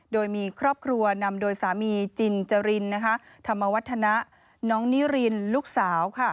โดยมีครอบครัวนำโดยสามีจินจรินธรรมวัฒนะน้องนิรินลูกสาว